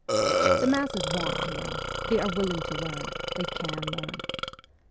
The masses want to know : they are willing to learn ; they can learn.